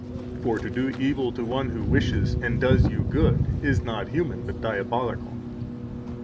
For to do evil to one who wishes and does you good is not human, but diabolical.